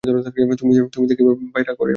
তুমি দেখি ভাই রাগ করেছ।